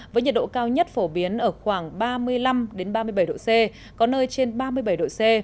với nhiệt độ cao nhất phổ biến ở khoảng ba mươi năm ba mươi bảy độ c có nơi trên ba mươi bảy độ c